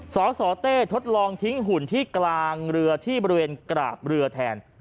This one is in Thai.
สสเต้ทดลองทิ้งหุ่นที่กลางเรือที่บริเวณกราบเรือแทน